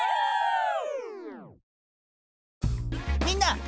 みんな！